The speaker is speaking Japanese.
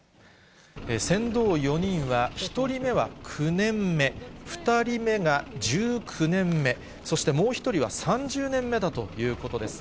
船頭４人は、１人目は９年目、２人目が１９年目、そしてもう１人は３０年目だということです。